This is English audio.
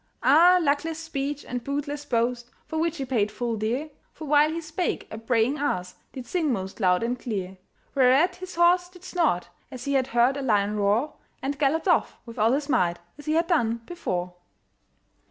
Ah! luckless speech, and bootless boast! For which he paid full dear; For while he spake, a braying ass Did sing most loud and clear; Whereat his horse did snort, as he Had heard a lion roar, And galloped off with all his might, As he had done before.